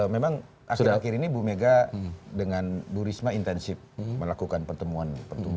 memang akhir akhir ini ibu megawati dengan ibu risma intensif melakukan pertemuan